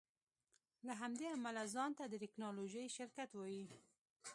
له همدې امله ځان ته د ټیکنالوژۍ شرکت وایې